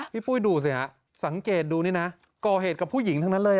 พี่ฟู้ย์ดูสิฮะสังเกตดูนี่นะกรเฮศกับผู้หญิงทั้งนั้นเลยอ่ะ